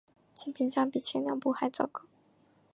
其评价比前两部还糟糕。